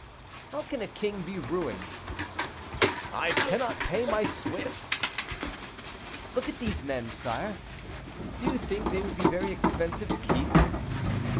"How can a king be ruined?" "I cannot pay my Swiss!" "Look at these men, sire; do you think they would be very expensive to keep?"